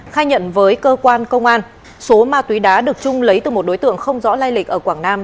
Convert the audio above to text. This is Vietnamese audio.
khai nhận với cơ quan công an số ma túy đá được trung lấy từ một đối tượng không rõ lai lịch ở quảng nam